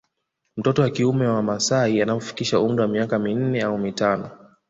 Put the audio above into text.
Mtoto wa kiume wa maasai anapofikisha umri wa miaka minne au mitano